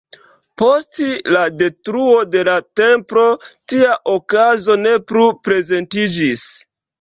Post la detruo de la Templo tia okazo ne plu prezentiĝis.